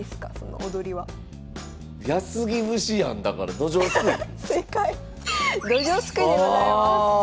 ドジョウすくいでございます。